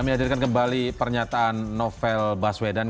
kami hadirkan kembali pernyataan novel baswedan